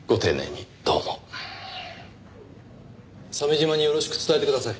鮫島によろしく伝えてください。